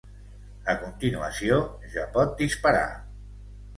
A continuació, ja pot disparar.